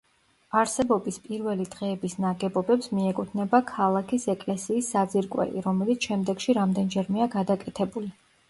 არსებობის პირველი დღეების ნაგებობებს მიეკუთვნება ქალაქის ეკლესიის საძირკველი, რომელიც შემდეგში რამდენჯერმეა გადაკეთებული.